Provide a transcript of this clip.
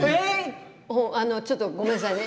ちょっとごめんなさいね。